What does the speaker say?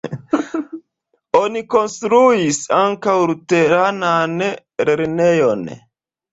Oni konstruis ankaŭ luteranan lernejon.